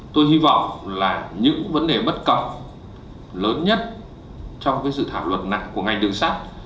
tôi hy vọng là những vấn đề bất cập lớn nhất trong dự thảo luật nặng của ngành đường sắt